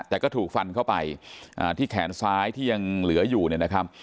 แต่ก็ถูกฟันเข้าไปที่แขนซ้ายที่ยังเหลืออยู่เนี่ยนะครับ